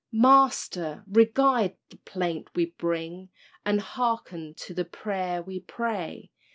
Master, regard the plaint we bring, And hearken to the prayer we pray.